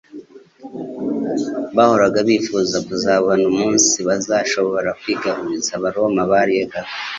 bahoraga bifuza kuzabona umunsi bazashobora kwigarizura abaroma barigaga